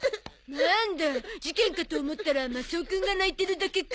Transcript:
なんだ事件かと思ったらマサオくんが泣いてるだけか。